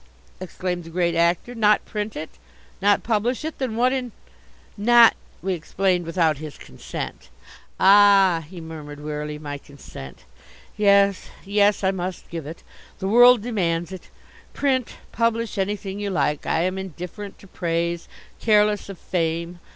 exclaimed the Great Actor. "Not print it? Not publish it? Then what in " Not, we explained, without his consent. "Ah," he murmured wearily, "my consent. Yes, yes, I must give it. The world demands it. Print, publish anything you like. I am indifferent to praise, careless of fame.